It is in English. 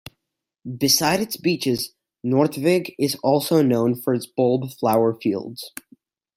Besides its beaches, Noordwijk is also known for its bulb flower fields.